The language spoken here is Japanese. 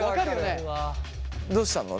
どうしたの？